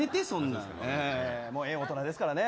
もうええ大人ですからね。